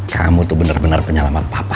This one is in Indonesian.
kamu tuh bener bener penyelamat papa